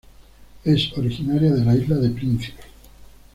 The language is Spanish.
Es originaria de la isla de Príncipe.